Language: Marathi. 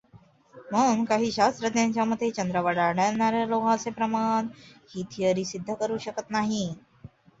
पण काही शास्त्रज्ञांच्या मते चंद्रावर आढळणाऱ्या लोहाचे प्रमाण ही थियरी सिद्ध करू शकत नाही.